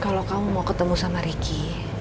kalau kamu mau ketemu sama ricky